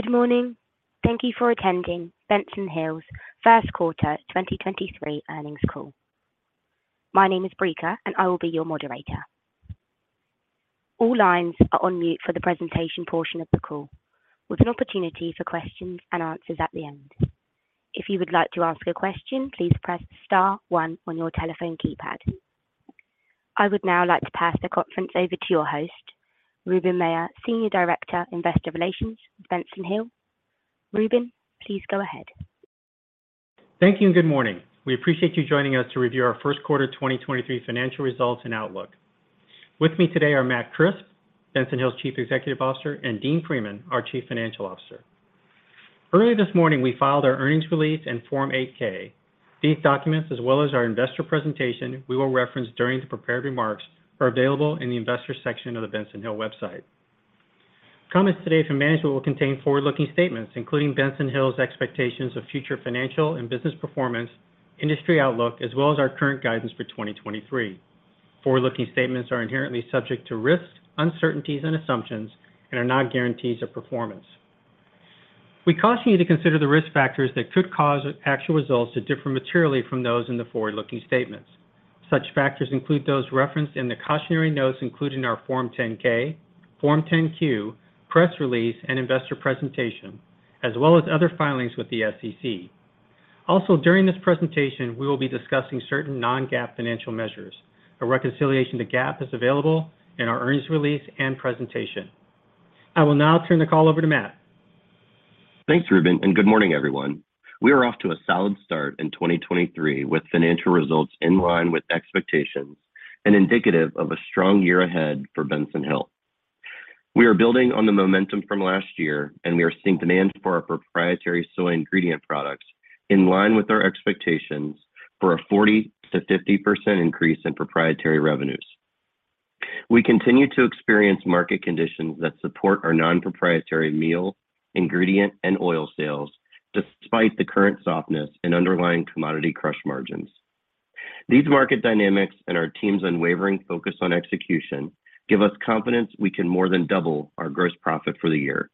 Good morning. Thank you for attending Benson Hill's first quarter 2023 earnings call. My name is Brika, and I will be your moderator. All lines are on mute for the presentation portion of the call, with an opportunity for questions and answers at the end. If you would like to ask a question, please press star one on your telephone keypad. I would now like to pass the conference over to your host, Ruben Mella, Senior Director, Investor Relations, Benson Hill. Ruben, please go ahead. Thank you and good morning. We appreciate you joining us to review our first quarter 2023 financial results and outlook. With me today are Matt Crisp, Benson Hill's Chief Executive Officer, and Dean Freeman, our Chief Financial Officer. Early this morning, we filed our earnings release and Form 8-K. These documents, as well as our investor presentation we will reference during the prepared remarks, are available in the Investors section of the Benson Hill website. Comments today from management will contain forward-looking statements, including Benson Hill's expectations of future financial and business performance, industry outlook, as well as our current guidance for 2023. Forward-looking statements are inherently subject to risks, uncertainties and assumptions, and are not guarantees of performance. We caution you to consider the risk factors that could cause actual results to differ materially from those in the forward-looking statements. Such factors include those referenced in the cautionary notes included in our Form 10-K, Form 10-Q, press release, and investor presentation, as well as other filings with the SEC. Also, during this presentation, we will be discussing certain non-GAAP financial measures. A reconciliation to GAAP is available in our earnings release and presentation. I will now turn the call over to Matt. Thanks, Ruben. Good morning, everyone. We are off to a solid start in 2023 with financial results in line with expectations and indicative of a strong year ahead for Benson Hill. We are building on the momentum from last year and we are seeing demand for our proprietary soy ingredient products in line with our expectations for a 40%-50% increase in proprietary revenues. We continue to experience market conditions that support our non-proprietary meal, ingredient, and oil sales despite the current softness in underlying commodity crush margins. These market dynamics and our team's unwavering focus on execution give us confidence we can more than double our gross profit for the year.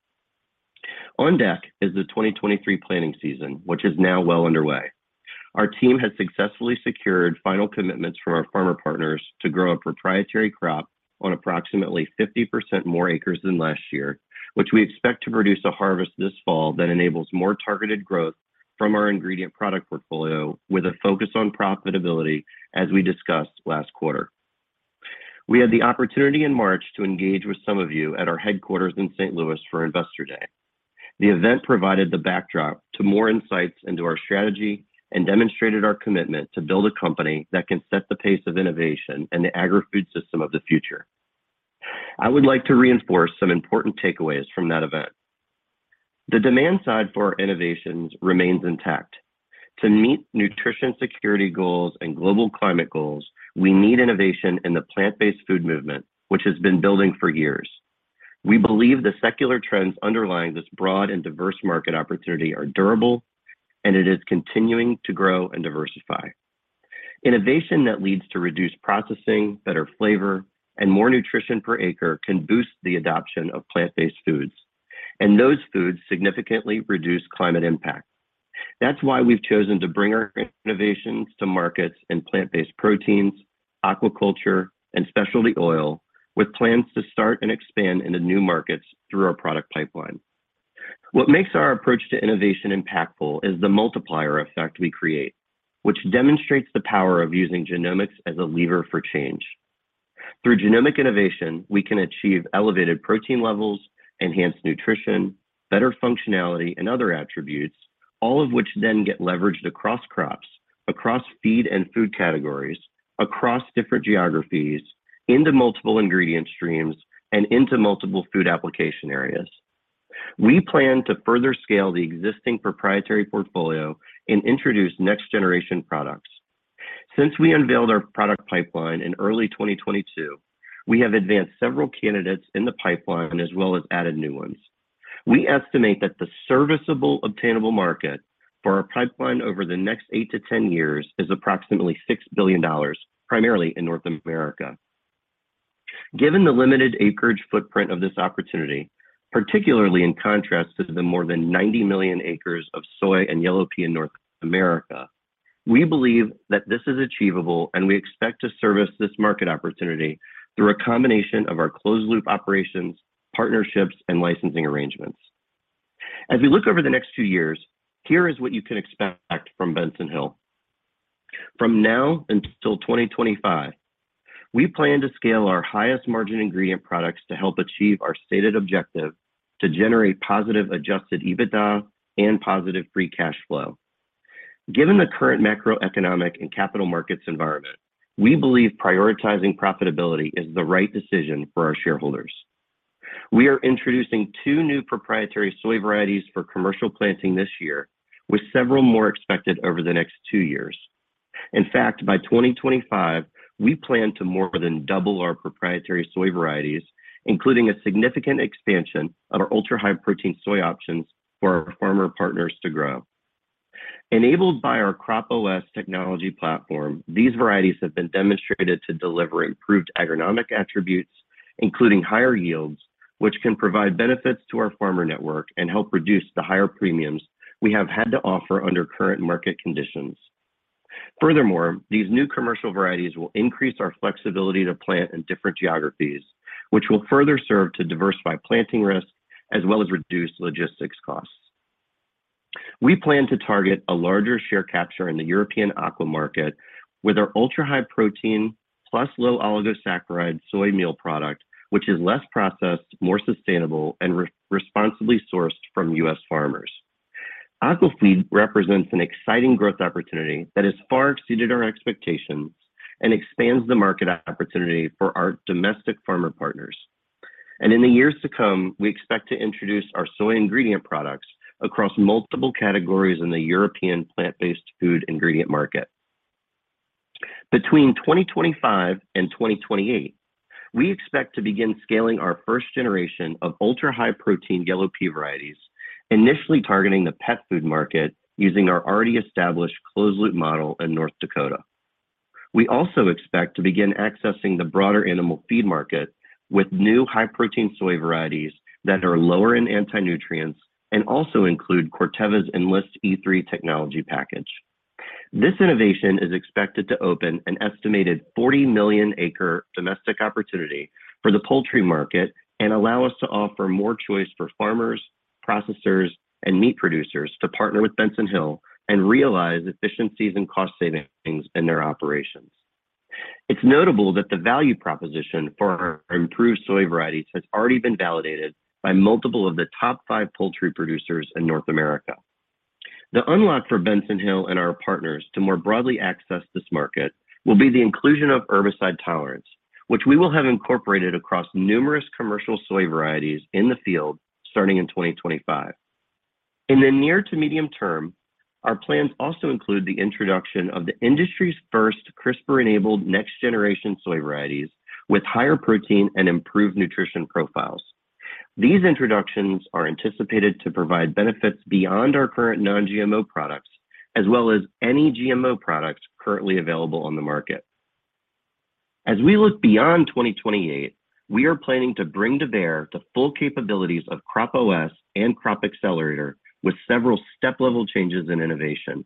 On deck is the 2023 planting season, which is now well underway. Our team has successfully secured final commitments from our farmer partners to grow a proprietary crop on approximately 50% more acres than last year, which we expect to produce a harvest this fall that enables more targeted growth from our ingredient product portfolio with a focus on profitability as we discussed last quarter. We had the opportunity in March to engage with some of you at our headquarters in St. Louis for Investor Day. The event provided the backdrop to more insights into our strategy and demonstrated our commitment to build a company that can set the pace of innovation in the agri-food system of the future. I would like to reinforce some important takeaways from that event. The demand side for our innovations remains intact. To meet nutrition security goals and global climate goals, we need innovation in the plant-based food movement, which has been building for years. We believe the secular trends underlying this broad and diverse market opportunity are durable, and it is continuing to grow and diversify. Innovation that leads to reduced processing, better flavor, and more nutrition per acre can boost the adoption of plant-based foods, and those foods significantly reduce climate impact. That's why we've chosen to bring our innovations to markets in plant-based proteins, aquaculture, and specialty oil with plans to start and expand into new markets through our product pipeline. What makes our approach to innovation impactful is the multiplier effect we create, which demonstrates the power of using genomics as a lever for change. Through genomic innovation, we can achieve elevated protein levels, enhanced nutrition, better functionality, and other attributes, all of which then get leveraged across crops, across feed and food categories, across different geographies, into multiple ingredient streams, and into multiple food application areas. We plan to further scale the existing proprietary portfolio and introduce next-generation products. Since we unveiled our product pipeline in early 2022, we have advanced several candidates in the pipeline as well as added new ones. We estimate that the serviceable obtainable market for our pipeline over the next eight to 10 years is approximately $6 billion, primarily in North America. Given the limited acreage footprint of this opportunity, particularly in contrast to the more than 90 million acres of soy and yellow pea in North America, we believe that this is achievable and we expect to service this market opportunity through a combination of our closed-loop operations, partnerships, and licensing arrangements. As we look over the next few years, here is what you can expect from Benson Hill. From now until 2025, we plan to scale our highest margin ingredient products to help achieve our stated objective to generate positive adjusted EBITDA and positive free cash flow. Given the current macroeconomic and capital markets environment, we believe prioritizing profitability is the right decision for our shareholders. We are introducing two new proprietary soy varieties for commercial planting this year, with several more expected over the next two years. In fact, by 2025, we plan to more than double our proprietary soy varieties, including a significant expansion of our ultra-high protein soy options for our farmer partners to grow. Enabled by our CropOS technology platform, these varieties have been demonstrated to deliver improved agronomic attributes, including higher yields, which can provide benefits to our farmer network and help reduce the higher premiums we have had to offer under current market conditions. Furthermore, these new commercial varieties will increase our flexibility to plant in different geographies, which will further serve to diversify planting risks as well as reduce logistics costs. We plan to target a larger share capture in the European aqua market with our ultra-high protein plus low oligosaccharide soy meal product, which is less processed, more sustainable, and re-responsibly sourced from US farmers. Aqua feed represents an exciting growth opportunity that has far exceeded our expectations and expands the market opportunity for our domestic farmer partners. In the years to come, we expect to introduce our soy ingredient products across multiple categories in the European plant-based food ingredient market. Between 2025 and 2028, we expect to begin scaling our first generation of ultra-high protein yellow pea varieties, initially targeting the pet food market using our already established closed-loop model in North Dakota. We also expect to begin accessing the broader animal feed market with new high-protein soy varieties that are lower in anti-nutrients and also include Corteva's Enlist E3 technology package. This innovation is expected to open an estimated 40 million acre domestic opportunity for the poultry market and allow us to offer more choice for farmers, processors, and meat producers to partner with Benson Hill and realize efficiencies and cost savings in their operations. It's notable that the value proposition for our improved soy varieties has already been validated by multiple of the top five poultry producers in North America. The unlock for Benson Hill and our partners to more broadly access this market will be the inclusion of herbicide tolerance, which we will have incorporated across numerous commercial soy varieties in the field starting in 2025. In the near to medium term, our plans also include the introduction of the industry's first CRISPR-enabled next generation soy varieties with higher protein and improved nutrition profiles. These introductions are anticipated to provide benefits beyond our current non-GMO products, as well as any GMO products currently available on the market. As we look beyond 2028, we are planning to bring to bear the full capabilities of CropOS and Crop Accelerator with several step-level changes in innovation.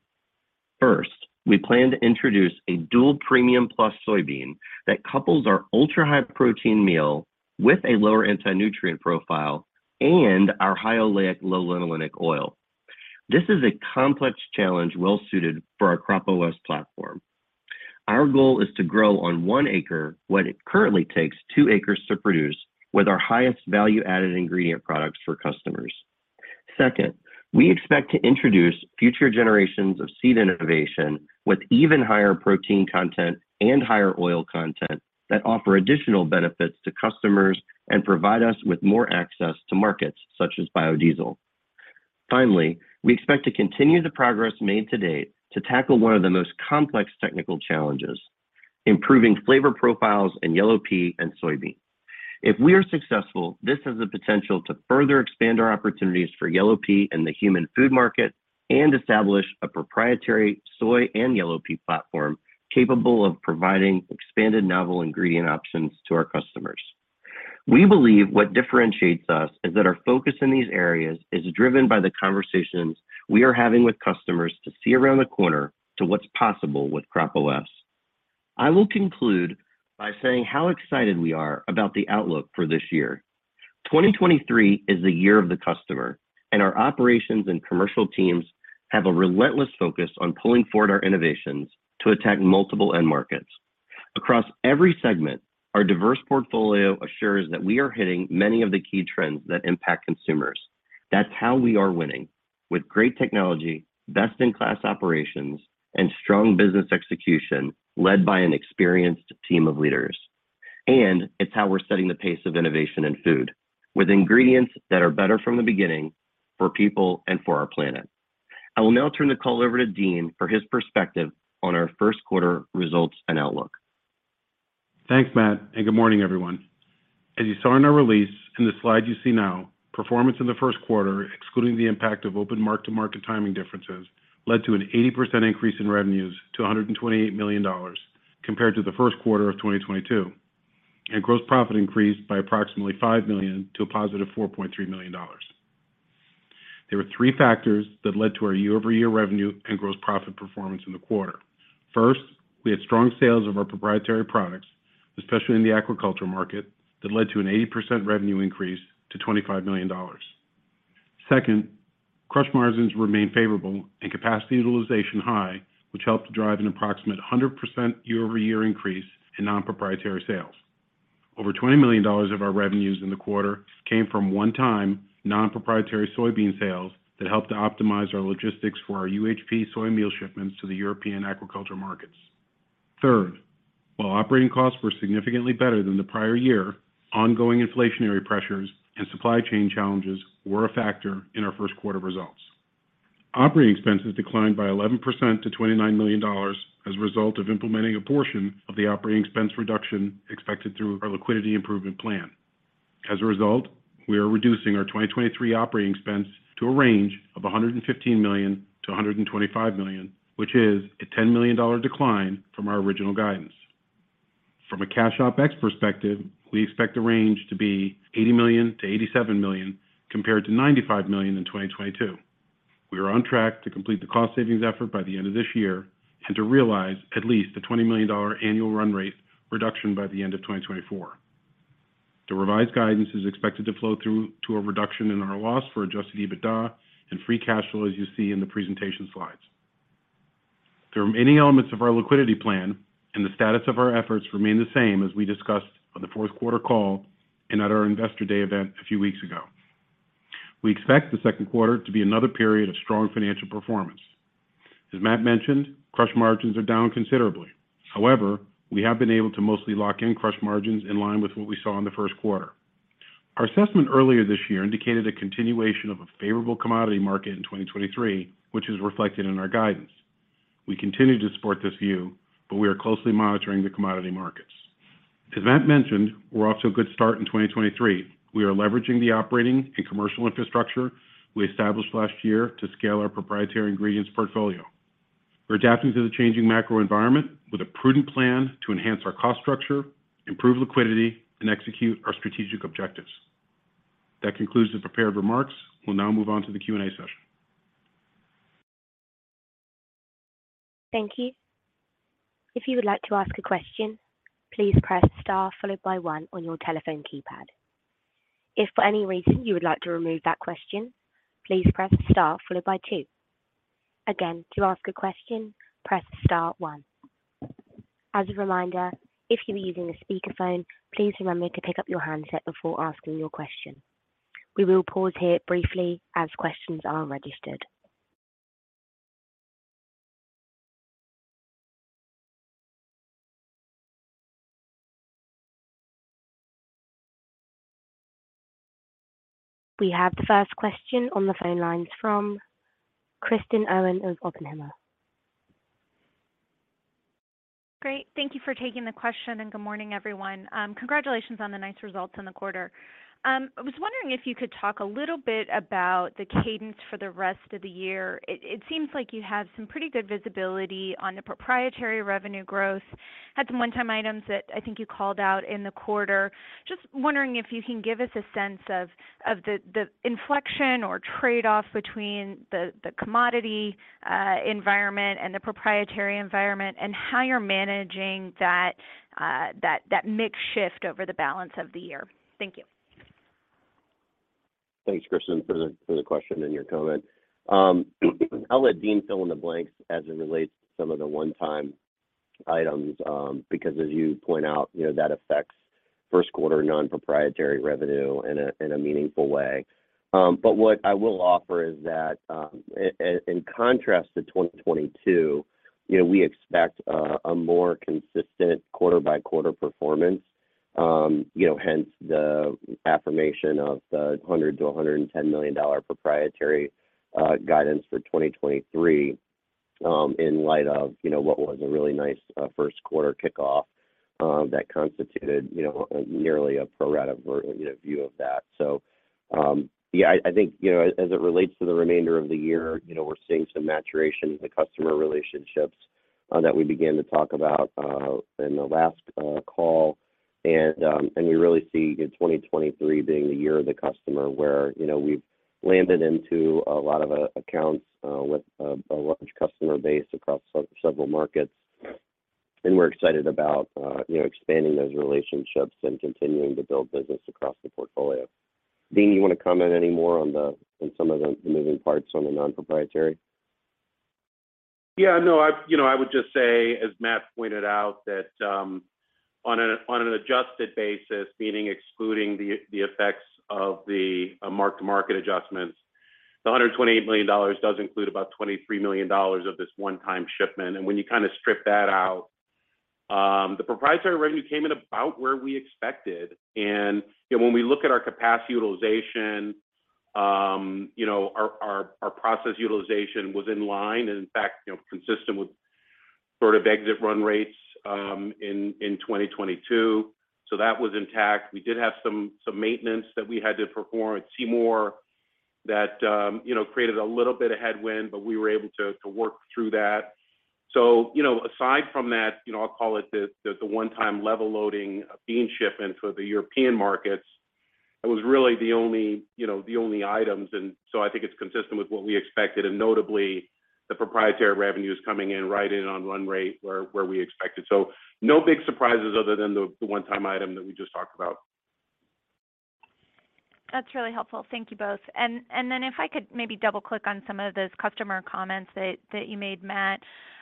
First, we plan to introduce a dual premium plus soybean that couples our ultra-high protein meal with a lower anti-nutrient profile and our high-oleic, low-linolenic oil. This is a complex challenge well suited for our CropOS platform. Our goal is to grow on one acre what it currently takes two acres to produce with our highest value-added ingredient products for customers. Second, we expect to introduce future generations of seed innovation with even higher protein content and higher oil content that offer additional benefits to customers and provide us with more access to markets such as biodiesel. Finally, we expect to continue the progress made to date to tackle one of the most complex technical challenges, improving flavor profiles in yellow pea and soybean. If we are successful, this has the potential to further expand our opportunities for yellow pea in the human food market and establish a proprietary soy and yellow pea platform capable of providing expanded novel ingredient options to our customers. We believe what differentiates us is that our focus in these areas is driven by the conversations we are having with customers to see around the corner to what's possible with CropOS. I will conclude by saying how excited we are about the outlook for this year. 2023 is the year of the customer, and our operations and commercial teams have a relentless focus on pulling forward our innovations to attack multiple end markets. Across every segment, our diverse portfolio assures that we are hitting many of the key trends that impact consumers. That's how we are winning, with great technology, best-in-class operations, and strong business execution led by an experienced team of leaders. It's how we're setting the pace of innovation in food, with ingredients that are better from the beginning for people and for our planet. I will now turn the call over to Dean for his perspective on our first quarter results and outlook. Thanks, Matt. Good morning, everyone. As you saw in our release and the slide you see now, performance in the first quarter, excluding the impact of open mark-to-market timing differences, led to an 80% increase in revenues to $128 million compared to the first quarter of 2022. Gross profit increased by approximately $5 million to a positive $4.3 million. There were three factors that led to our year-over-year revenue and gross profit performance in the quarter. First, we had strong sales of our proprietary products, especially in the aquaculture market, that led to an 80% revenue increase to $25 million. Second, crush margins remained favorable and capacity utilization high, which helped to drive an approximate 100% year-over-year increase in non-proprietary sales. Over $20 million of our revenues in the quarter came from one-time non-proprietary soybean sales that helped to optimize our logistics for our UHP soy meal shipments to the European aquaculture markets. Third, while operating costs were significantly better than the prior year, ongoing inflationary pressures and supply chain challenges were a factor in our first quarter results. Operating expenses declined by 11% to $29 million as a result of implementing a portion of the operating expense reduction expected through our Liquidity Improvement Plan. As a result, we are reducing our 2023 operating expense to a range of $115 million-$125 million, which is a $10 million decline from our original guidance. From a cash OPEX perspective, we expect the range to be $80 million-$87 million, compared to $95 million in 2022. We are on track to complete the cost savings effort by the end of this year and to realize at least a $20 million annual run rate reduction by the end of 2024. The revised guidance is expected to flow through to a reduction in our loss for adjusted EBITDA and free cash flow, as you see in the presentation slides. The remaining elements of our liquidity plan and the status of our efforts remain the same as we discussed on the fourth quarter call and at our Investor Day event a few weeks ago. We expect the second quarter to be another period of strong financial performance. As Matt mentioned, crush margins are down considerably. We have been able to mostly lock in crush margins in line with what we saw in the first quarter. Our assessment earlier this year indicated a continuation of a favorable commodity market in 2023, which is reflected in our guidance. We continue to support this view, we are closely monitoring the commodity markets. As Matt mentioned, we're off to a good start in 2023. We are leveraging the operating and commercial infrastructure we established last year to scale our proprietary ingredients portfolio. We're adapting to the changing macro environment with a prudent plan to enhance our cost structure, improve liquidity, and execute our strategic objectives. That concludes the prepared remarks. We'll now move on to the Q&A session. Thank you. If you would like to ask a question, please press Star followed by one on your telephone keypad. If for any reason you would like to remove that question, please press Star followed by two. Again, to ask a question, press Star one. As a reminder, if you are using a speakerphone, please remember to pick up your handset before asking your question. We will pause here briefly as questions are registered. We have the first question on the phone lines from Kristen Owen of Oppenheimer. Great. Thank you for taking the question, and good morning, everyone. Congratulations on the nice results in the quarter. I was wondering if you could talk a little bit about the cadence for the rest of the year. It seems like you have some pretty good visibility on the proprietary revenue growth. Had some one-time items that I think you called out in the quarter. Just wondering if you can give us a sense of the inflection or trade-off between the commodity environment and the proprietary environment and how you're managing that mix shift over the balance of the year. Thank you. Thanks, Kristen, for the question and your comment. I'll let Dean Freeman fill in the blanks as it relates to some of the one-time items, because as you point out, you know, that affects first quarter non-proprietary revenue in a meaningful way. What I will offer is that, in contrast to 2022, you know, we expect a more consistent quarter-by-quarter performance. Hence the affirmation of the $100 million-$110 million proprietary guidance for 2023, in light of what was a really nice first quarter kickoff, that constituted nearly a pro rata version, you know, view of that. Yeah, I think, you know, as it relates to the remainder of the year, you know, we're seeing some maturation in the customer relationships that we began to talk about in the last call. We really see in 2023 being the year of the customer where, you know, we've landed into a lot of accounts with a large customer base across several markets. We're excited about, you know, expanding those relationships and continuing to build business across the portfolio. Dean, you wanna comment any more on some of the moving parts on the non-proprietary? Yeah, no, I, you know, I would just say, as Matt pointed out, that on an adjusted basis, meaning excluding the effects of the mark-to-market adjustments, the $128 million does include about $23 million of this one-time shipment. When you kinda strip that out, the proprietary revenue came in about where we expected. You know, when we look at our capacity utilization, our process utilization was in line, and in fact, you know, consistent with sort of exit run rates in 2022. That was intact. We did have some maintenance that we had to perform at Seymour that, you know, created a little bit of headwind, but we were able to work through that. You know, aside from that, you know, I'll call it the one-time level loading bean shipment for the European markets. It was really the only, you know, the only items and so I think it's consistent with what we expected. Notably, the proprietary revenue is coming in right in on run rate where we expected. No big surprises other than the one-time item that we just talked about. That's really helpful. Thank you both. Then if I could maybe double-click on some of those customer comments that you made, Matt.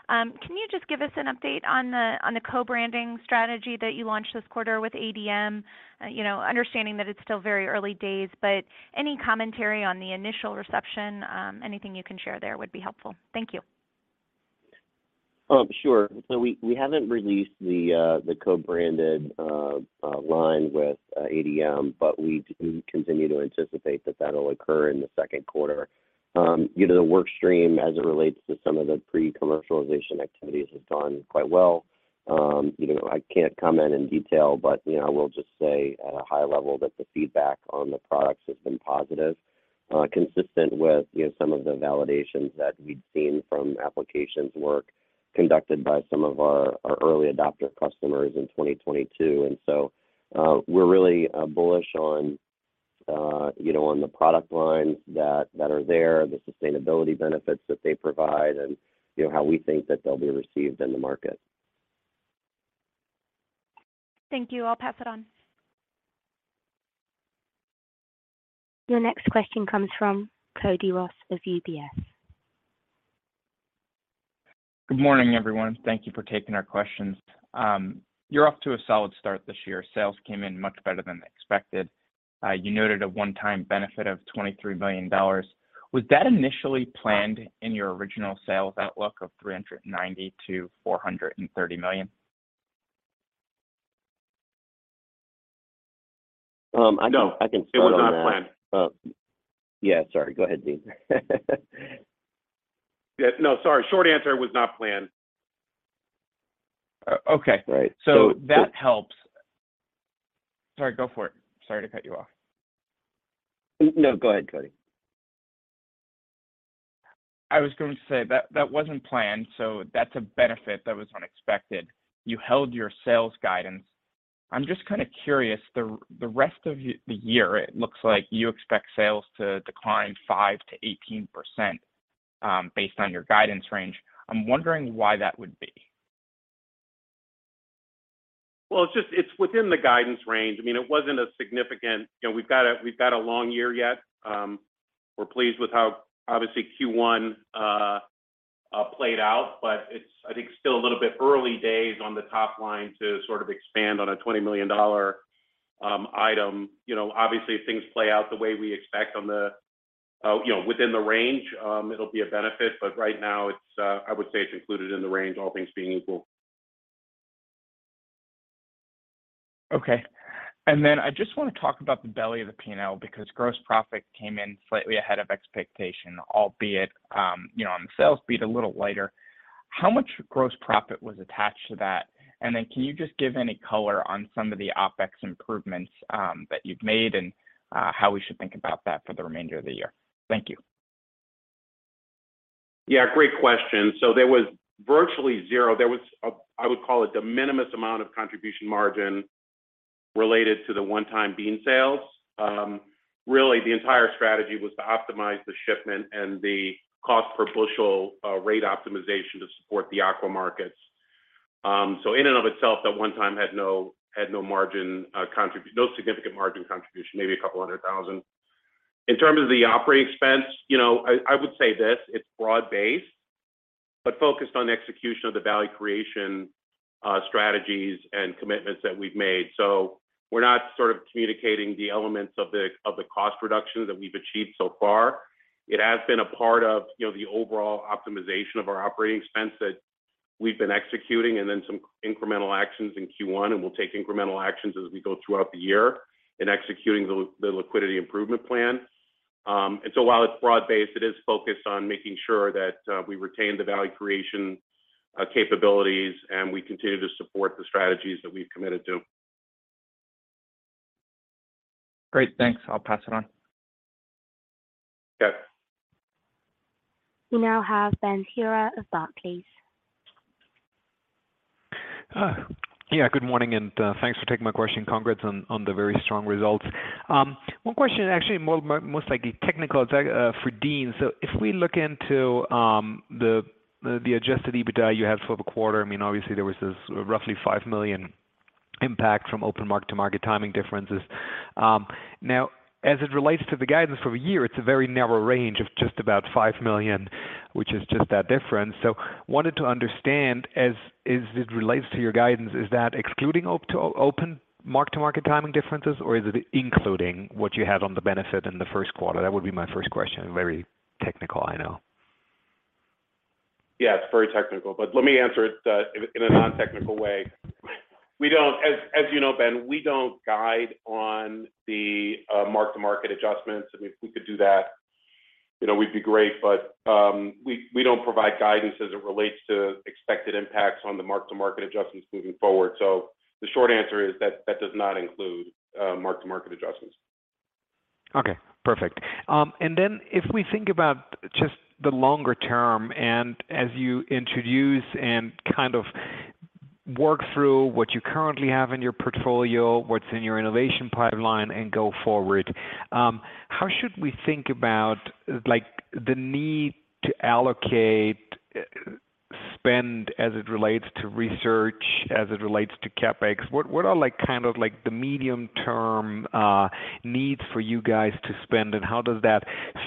Can you just give us an update on the co-branding strategy that you launched this quarter with ADM? You know, understanding that it's still very early days, but any commentary on the initial reception, anything you can share there would be helpful. Thank you. Sure. We haven't released the co-branded line with ADM, but we just Continue to anticipate that that'll occur in the second quarter. you know, the work stream as it relates to some of the pre-commercialization activities has gone quite well. you know, I can't comment in detail, but, you know, I will just say at a high level that the feedback on the products has been positive, consistent with, you know, some of the validations that we've seen from applications work conducted by some of our early adopter customers in 2022. We're really bullish on, you know, on the product lines that are there, the sustainability benefits that they provide, and, you know, how we think that they'll be received in the market. Thank you. I'll pass it on. Your next question comes from Cody Ross of UBS. Good morning, everyone. Thank you for taking our questions. You're off to a solid start this year. Sales came in much better than expected. You noted a one-time benefit of $23 million. Was that initially planned in your original sales outlook of $390 million-$430 million? I can- No. I can start on that. It was not planned. yeah, sorry. Go ahead, Dean. Yeah. No, sorry. Short answer, it was not planned. O-okay. Right. That helps. Sorry, go for it. Sorry to cut you off. No, go ahead, Cody. I was going to say that wasn't planned. That's a benefit that was unexpected. You held your sales guidance. I'm just kind of curious, the rest of the year, it looks like you expect sales to decline 5%-18%, based on your guidance range. I'm wondering why that would be. It's just, it's within the guidance range. I mean, it wasn't a significant... You know, we've got a long year yet. We're pleased with how obviously Q1 played out, but it's, I think, still a little bit early days on the top line to sort of expand on a $20 million item. You know, obviously, if things play out the way we expect on the, you know, within the range, it'll be a benefit. Right now, it's, I would say it's included in the range, all things being equal. Okay. I just wanna talk about the belly of the P&L because gross profit came in slightly ahead of expectation, albeit, you know, on the sales beat a little lighter. How much gross profit was attached to that? Can you just give any color on some of the OPEX improvements that you've made and how we should think about that for the remainder of the year? Thank you. Great question. There was virtually zero. There was a, I would call it de minimis amount of contribution margin related to the one-time bean sales. Really, the entire strategy was to optimize the shipment and the cost per bushel, rate optimization to support the aqua markets. In and of itself, that one-time had no, had no margin, no significant margin contribution, maybe a couple $100,000. In terms of the operating expense, you know, I would say this, it's broad-based, but focused on execution of the value creation, strategies and commitments that we've made. We're not sort of communicating the elements of the cost reduction that we've achieved so far. It has been a part of, you know, the overall optimization of our operating expense that we've been executing and then some incremental actions in Q1, and we'll take incremental actions as we go throughout the year in executing the Liquidity Improvement Plan. While it's broad-based, it is focused on making sure that we retain the value creation capabilities, and we continue to support the strategies that we've committed to. Great. Thanks. I'll pass it on. Yes. We now have Ben Thira of Barclays, please. Yeah, good morning, and thanks for taking my question. Congrats on the very strong results. One question, actually most likely technical, for Dean. If we look into the adjusted EBITDA you have for the quarter, I mean, obviously there was this roughly $5 million impact from open mark-to-market timing differences. Now, as it relates to the guidance for the year, it's a very narrow range of just about $5 million, which is just that difference. Wanted to understand, as it relates to your guidance, is that excluding open mark-to-market timing differences, or is it including what you had on the benefit in the first quarter? That would be my first question. Very technical, I know. It's very technical, but let me answer it in a non-technical way. As you know, Ben, we don't guide on the mark-to-market adjustments. I mean, if we could do that, you know, we'd be great. We don't provide guidance as it relates to expected impacts on the mark-to-market adjustments moving forward. The short answer is that that does not include mark-to-market adjustments. Okay, perfect. If we think about just the longer term, and as you introduce and kind of work through what you currently have in your portfolio, what's in your innovation pipeline and go forward, how should we think about, like, the need to allocate spend as it relates to research, as it relates to CapEx? What are like, kind of like the medium term needs for you guys to spend, how does that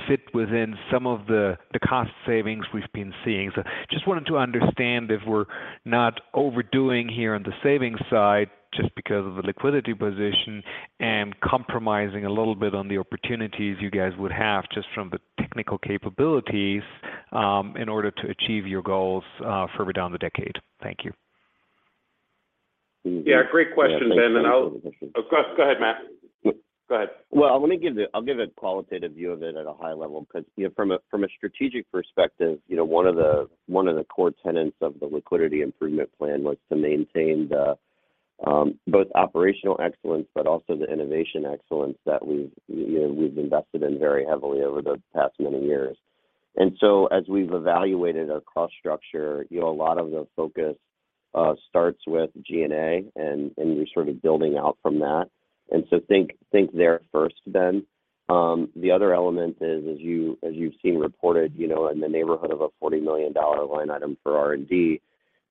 fit within some of the cost savings we've been seeing? Just wanted to understand if we're not overdoing here on the savings side just because of the liquidity position and compromising a little bit on the opportunities you guys would have just from the technical capabilities, in order to achieve your goals further down the decade. Thank you. Yeah, great question, Ben. Of course, go ahead, Matt. Go ahead. Well, let me give I'll give a qualitative view of it at a high level because, you know, from a, from a strategic perspective, you know, one of the, one of the core tenets of the Liquidity Improvement Plan was to maintain the both operational excellence but also the innovation excellence that we've, you know, we've invested in very heavily over the past many years. As we've evaluated our cost structure, you know, a lot of the focus starts with G&A, and you're sort of building out from that. Think there first then. The other element is, as you, as you've seen reported, you know, in the neighborhood of a $40 million line item for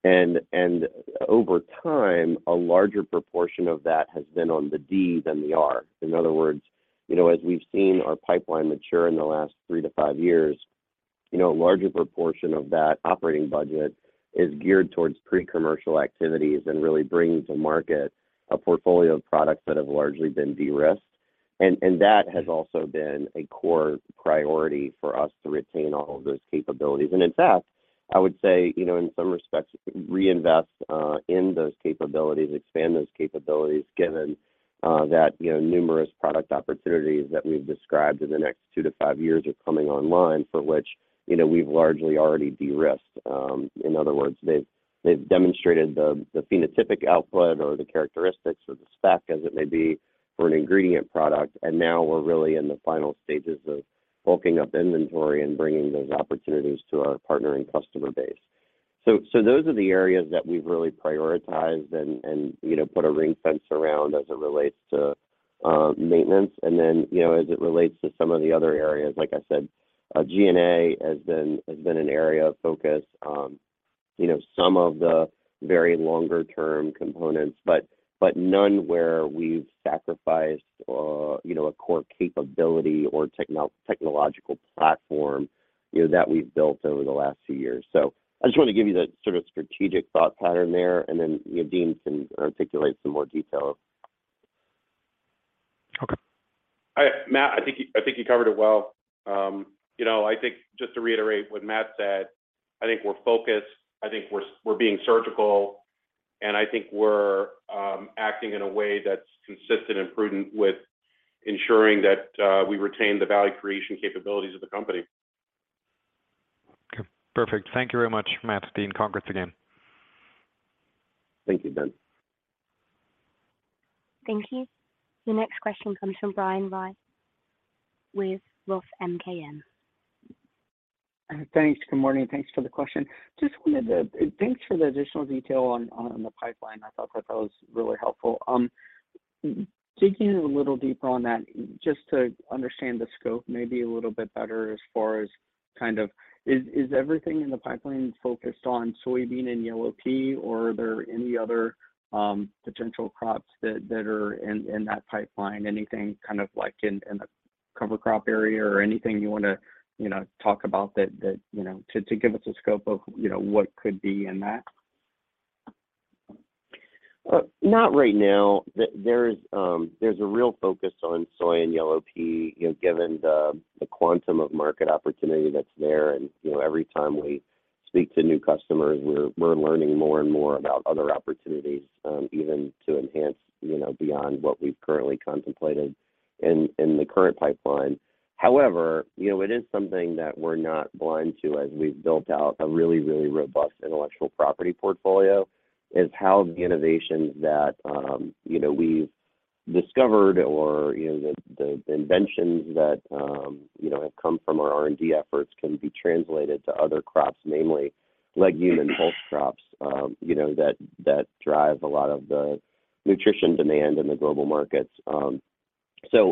R&D. Over time, a larger proportion of that has been on the D than the R. In other words, you know, as we've seen our pipeline mature in the last three to five years, you know, a larger proportion of that operating budget is geared towards pre-commercial activities and really bringing to market a portfolio of products that have largely been de-risked. That has also been a core priority for us to retain all of those capabilities. In fact, I would say, you know, in some respects, reinvest in those capabilities, expand those capabilities, given that, you know, numerous product opportunities that we've described in the next two to five years are coming online for which, you know, we've largely already de-risked. In other words, they've demonstrated the phenotypic output or the characteristics or the spec as it may be for an ingredient product, and now we're really in the final stages of bulking up inventory and bringing those opportunities to our partner and customer base. Those are the areas that we've really prioritized and, you know, put a ring fence around as it relates to maintenance. You know, as it relates to some of the other areas, like I said, G&A has been an area of focus, you know, some of the very longer-term components, but none where we've sacrificed, you know, a core capability or technological platform, you know, that we've built over the last few years. I just wanted to give you the sort of strategic thought pattern there, and then, you know, Dean can articulate some more detail. Okay. All right. Matt, I think you covered it well. You know, I think just to reiterate what Matt said, I think we're focused. I think we're being surgical, and I think we're acting in a way that's consistent and prudent with ensuring that we retain the value creation capabilities of the company. Okay. Perfect. Thank you very much, Matt, Dean again. Thank you, Ben. Thank you. The next question comes from Brian Wright with ROTH MKM. Thanks. Good morning. Thanks for the question. Thanks for the additional detail on the pipeline. I thought that that was really helpful. Digging a little deeper on that, just to understand the scope maybe a little bit better as far as kind of is everything in the pipeline focused on soybean and yellow pea, or are there any other potential crops that are in that pipeline? Anything kind of like in the cover crop area or anything you wanna, you know, talk about that, you know, to give us a scope of, you know, what could be in that? Not right now. There is a real focus on soy and yellow pea, you know, given the quantum of market opportunity that's there. You know, every time we speak to new customers, we're learning more and more about other opportunities, even to enhance, you know, beyond what we've currently contemplated in the current pipeline. You know, it is something that we're not blind to as we've built out a really, really robust intellectual property portfolio, is how the innovations that, you know, we've discovered or, you know, the inventions that, you know, have come from our R&D efforts can be translated to other crops, namely legume and pulse crops, you know, that drive a lot of the nutrition demand in the global markets.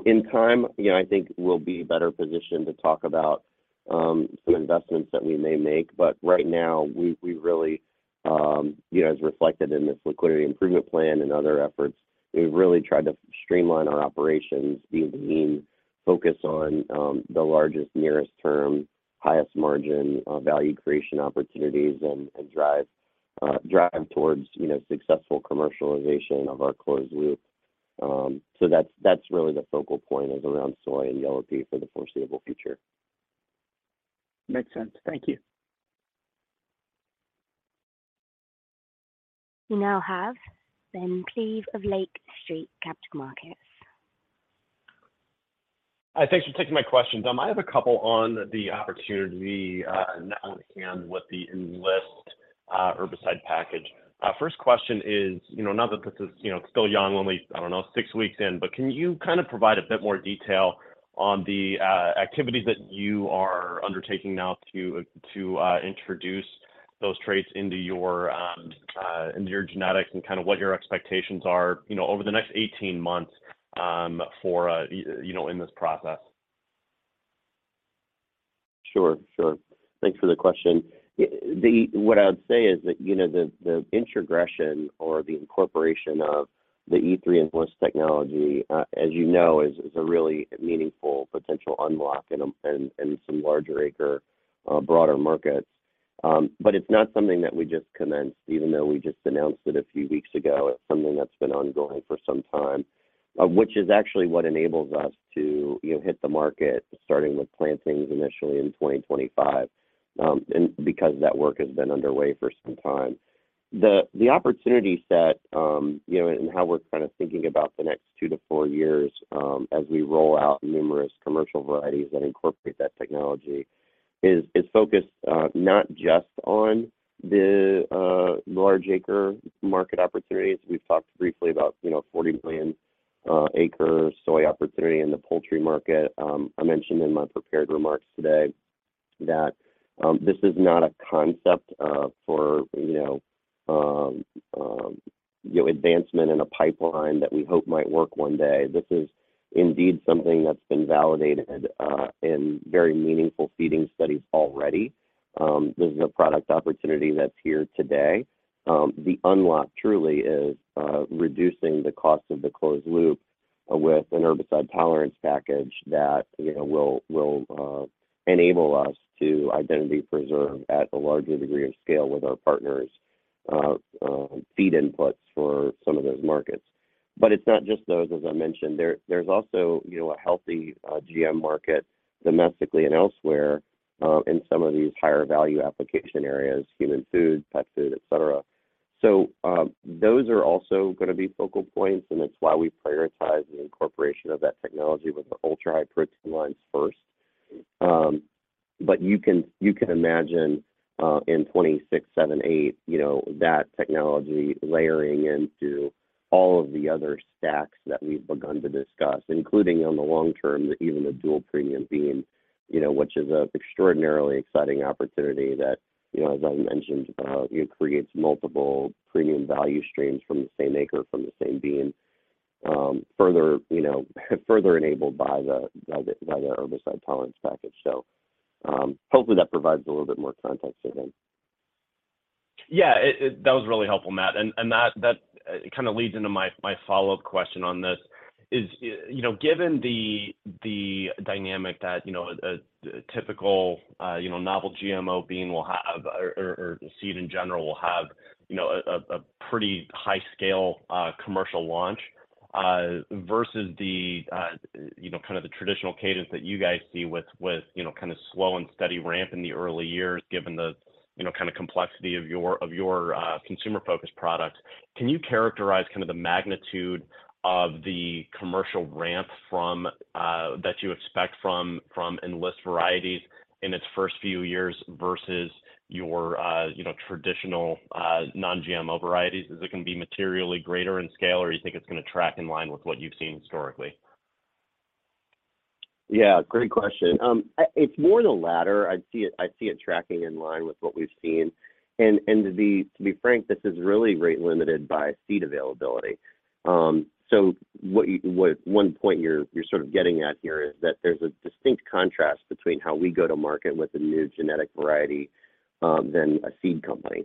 In time, you know, I think we'll be better positioned to talk about some investments that we may make. Right now, we really, you know, as reflected in this Liquidity Improvement Plan and other efforts, we've really tried to streamline our operations, be lean, focus on the largest, nearest term, highest margin, value creation opportunities and drive towards, you know, successful commercialization of our closed-loop. That's really the focal point is around soy and yellow pea for the foreseeable future. Makes sense. Thank you. We now have Ben Klieve of Lake Street Capital Markets. Hi. Thanks for taking my question. I have a couple on the opportunity on hand with the Enlist herbicide package. First question is, you know, not that this is, you know, still young, only, I don't know, six weeks in, but can you kind of provide a bit more detail on the activities that you are undertaking now to introduce those traits into your genetics and kind of what your expectations are, you know, over the next 18 months for, you know, in this process? Sure. Sure. Thanks for the question. What I would say is that, you know, the introgression or the incorporation of the E3 technology, as you know, is a really meaningful potential unlock in some larger acre broader markets. It's not something that we just commenced, even though we just announced it a few weeks ago. It's something that's been ongoing for some time, which is actually what enables us to, you know, hit the market starting with plantings initially in 2025. Because that work has been underway for some time. The opportunity set, you know, and how we're kind of thinking about the next two to fout years, as we roll out numerous commercial varieties that incorporate that technology is focused not just on the large acre market opportunities. We've talked briefly about, you know, 40 million acre soy opportunity in the poultry market. I mentioned in my prepared remarks today that this is not a concept, for, you know, you know, advancement in a pipeline that we hope might work one day. This is indeed something that's been validated in very meaningful feeding studies already. This is a product opportunity that's here today. The unlock truly is reducing the cost of the closed-loop with an herbicide tolerance package that, you know, will enable us to identity preserve at a larger degree of scale with our partners' feed inputs for some of those markets. It's not just those, as I mentioned. There's also, you know, a healthy GM market domestically and elsewhere in some of these higher value application areas, human food, pet food, etc. Those are also gonna be focal points, and it's why we prioritize the incorporation of that technology with the ultra-high protein lines first. But you can imagine in 2026, 2027, 2028, you know, that technology layering into all of the other stacks that we've begun to discuss, including on the long term, even the dual premium bean, you know, which is an extraordinarily exciting opportunity that, you know, as I mentioned, creates multiple premium value streams from the same acre, from the same bean, further, you know, enabled by the herbicide tolerance package. Hopefully that provides a little bit more context there, Ben. Yeah. That was really helpful, Matt. That kind of leads into my follow-up question on this is, you know, given the dynamic that, you know, a typical novel GMO bean will have or seed in general will have, you know, a pretty high scale commercial launch versus the kind of the traditional cadence that you guys see with, you know, kind of slow and steady ramp in the early years given the, you know, kind of complexity of your consumer-focused product. Can you characterize kind of the magnitude of the commercial ramp that you expect from Enlist varieties in its first few years versus your, you know, traditional non-GMO varieties? Is it gonna be materially greater in scale, or you think it's gonna track in line with what you've seen historically? Yeah, great question. It's more the latter. I see it, I see it tracking in line with what we've seen. To be frank, this is really rate limited by seed availability. What one point you're sort of getting at here is that there's a distinct contrast between how we go to market with a new genetic variety than a seed company.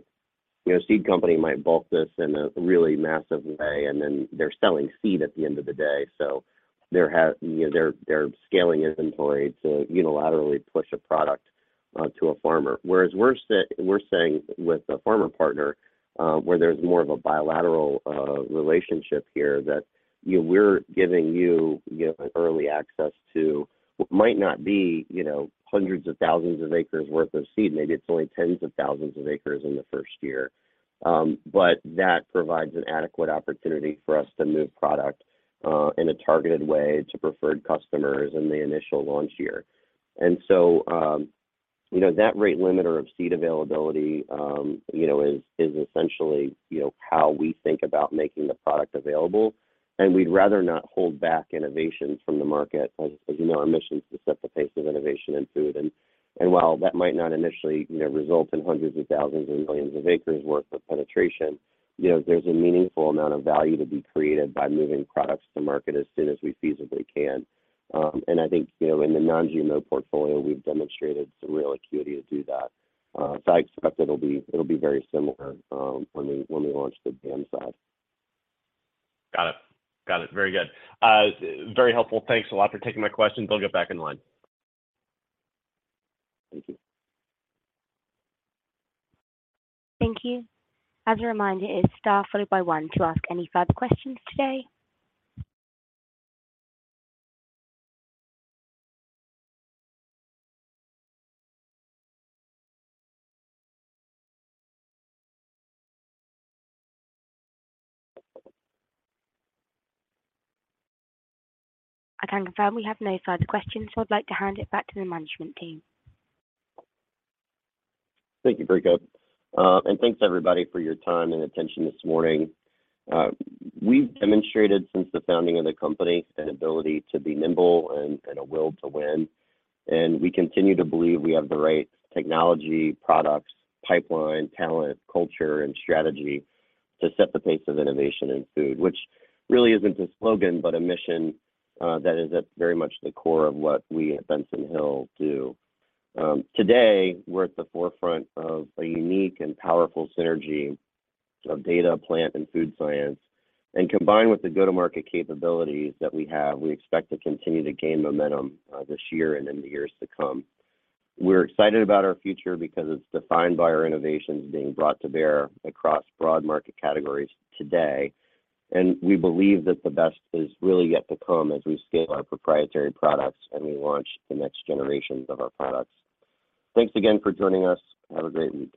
You know, seed company might bulk this in a really massive way, and then they're selling seed at the end of the day. You know, they're scaling inventory to unilaterally push a product to a farmer. Whereas we're saying with a farmer partner, where there's more of a bilateral relationship here that, you know, we're giving you know, an early access to what might not be, you know, hundreds of thousands of acres worth of seed. Maybe it's only tens of thousands of acres in the first year. That provides an adequate opportunity for us to move product in a targeted way to preferred customers in the initial launch year. That rate limiter of seed availability, you know, is essentially, you know, how we think about making the product available. We'd rather not hold back innovations from the market as you know, our mission is to set the pace of innovation in food. While that might not initially, you know, result in hundreds of thousands and millions of acres worth of penetration, you know, there's a meaningful amount of value to be created by moving products to market as soon as we feasibly can. I think, you know, in the non-GMO portfolio, we've demonstrated some real acuity to do that. I expect it'll be very similar, when we launch the GM side. Got it. Got it. Very good. Very helpful. Thanks a lot for taking my questions. I'll get back in line. Thank you. Thank you. As a reminder, it's star followed by one to ask any further questions today. I can confirm we have no further questions, I'd like to hand it back to the management team. Thank you, Mariko. Thanks everybody for your time and attention this morning. We've demonstrated since the founding of the company an ability to be nimble and a will to win. We continue to believe we have the right technology, products, pipeline, talent, culture, and strategy to set the pace of innovation in food, which really isn't a slogan, but a mission that is at very much the core of what we at Benson Hill do. Today, we're at the forefront of a unique and powerful synergy of data, plant, and food science. Combined with the go-to-market capabilities that we have, we expect to continue to gain momentum this year and in the years to come. We're excited about our future because it's defined by our innovations being brought to bear across broad market categories today. We believe that the best is really yet to come as we scale our proprietary products and we launch the next generations of our products. Thanks again for joining us. Have a great week.